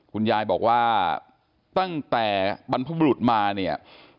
คุณยายบอกว่าตั้งแต่บรรพบุรุษมาเนี่ย